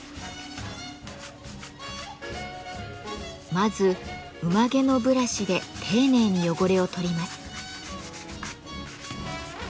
まず馬毛のブラシで丁寧に汚れを取ります。